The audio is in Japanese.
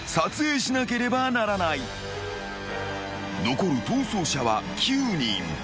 ［残る逃走者は９人］